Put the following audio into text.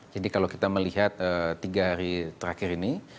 jadi kalau kita melihat tiga hari terakhir ini